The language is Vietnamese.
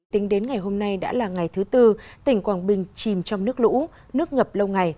tính đến ngày hôm nay đã là ngày thứ tư tỉnh quảng bình chìm trong nước lũ nước ngập lâu ngày